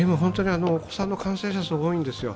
お子さんの感染者数が多いんですよ。